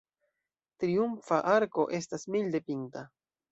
Triumfa arko estas milde pinta.